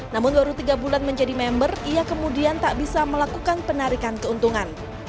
namun baru tiga bulan menjadi member ia kemudian tak bisa melakukan penarikan keuntungan